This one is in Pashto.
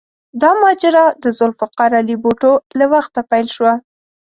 دا ماجرا د ذوالفقار علي بوټو له وخته پیل شوه.